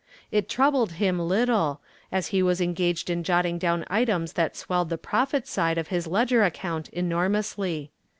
It troubled him little, as he was engaged in jotting down items that swelled the profit side of his ledger account enormously.